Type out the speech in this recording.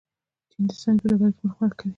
چین د ساینس په ډګر کې پرمختګ کوي.